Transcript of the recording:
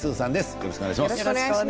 よろしくお願いします。